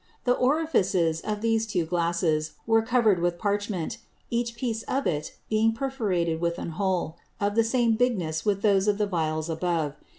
The Orifices of these two Glasses were cover'd with Parchment; each piece of it being perforated with an hole of the same bigness with those of the Vials above.